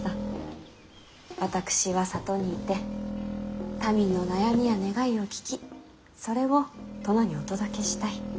私は里にいて民の悩みや願いを聴きそれを殿にお届けしたい。